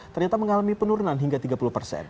ternyata mengalami penurunan hingga tiga puluh persen